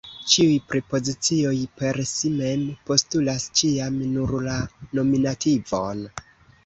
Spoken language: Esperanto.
Ĉiuj prepozicioj per si mem postulas ĉiam nur la nominativon.